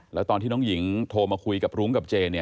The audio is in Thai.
แล้วตอนที่น้องหญิงโทรมาคุยกับรุ้งกับเจ